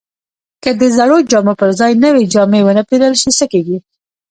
که د زړو جامو پر ځای نوې جامې ونه پیرل شي، څه کیږي؟